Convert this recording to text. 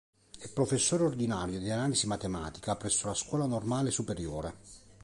È professore ordinario di analisi matematica presso la Scuola Normale Superiore.